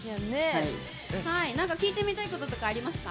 何か聞いてみたいこととかありますか？